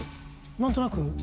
何となく。